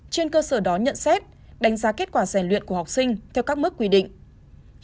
trên cơ sở đó nhận xét đánh giá kết quả rèn luyện của học sinh theo các mức quy định